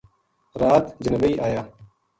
رات جنوائی آیا